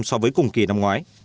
so với cùng kỳ năm ngoái